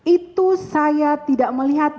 itu saya tidak melihat